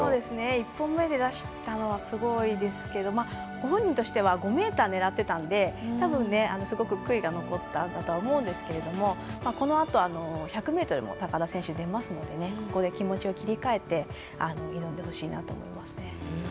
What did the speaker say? １本目で出したのはすごいですけどご本人としては５ｍを狙ってたのでたぶんすごく悔いが残ったとは思うんですけれどもこのあとは１００ｍ高田選手、出ますので気持ちを切り替えて挑んでほしいなと思います。